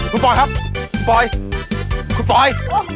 คุณปอยครับคุณปอยคุณปอย